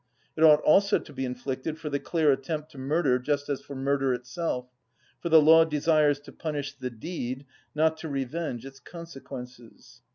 It ought also to be inflicted for the clear attempt to murder just as for murder itself; for the law desires to punish the deed, not to revenge its consequences.